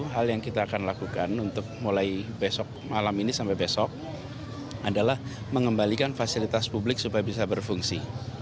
hal yang kita akan lakukan untuk mulai besok malam ini sampai besok adalah mengembalikan fasilitas publik supaya bisa berfungsi